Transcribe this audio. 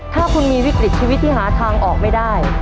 ถ้าคุณมีวิกฤตชีวิตที่หาทางออกไม่ได้